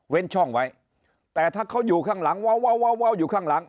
เว้นช่องไว้แต่ถ้าเขาอยู่ข้างหลังว้าวว้าวว้าวอยู่ข้างหลัง